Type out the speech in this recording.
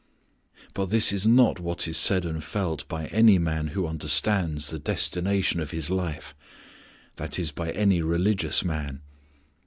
But this is not what is said and felt by any man who understands the destination of his life i.e. by any religious man.